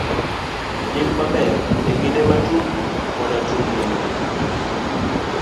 B. Nying maber. E kinde ma tungni koda tungni ng'eny,